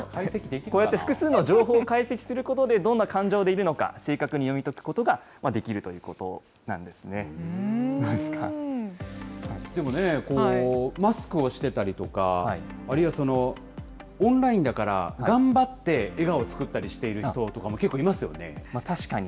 こうやって複数の情報を解析することで、どんな感情でいるのか、正確に読み解くことができるでもね、マスクをしてたりとか、あるいはその、オンラインだから、頑張って笑顔を作ったりし確かに。